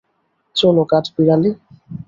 চলো, কাঠবিড়ালি!